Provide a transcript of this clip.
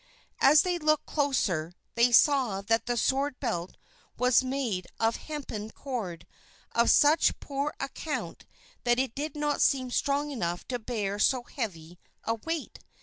As they looked closer they saw that the sword belt was made of hempen cord of such poor account that it did not seem strong enough to bear so heavy a weight.